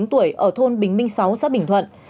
năm mươi chín tuổi ở thôn bình minh sáu xã bình thuận